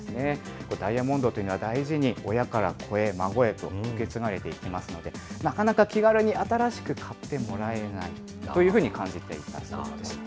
これ、ダイヤモンドというのは大事に親から子へ、孫へと受け継がれていきますので、なかなか気軽に新しく買ってもらえないというふうに感じていたそうです。